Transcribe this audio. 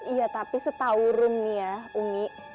iya tapi setau rum nih ya umi